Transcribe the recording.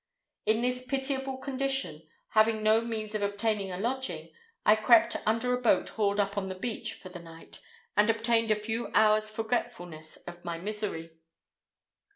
In this pitiable condition, having no means of obtaining a lodging, I crept under a boat hauled up upon the beach for the night, and obtained a few hours' forgetfulness of my misery.